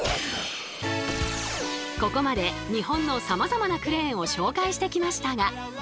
ここまで日本のさまざまなクレーンを紹介してきましたが。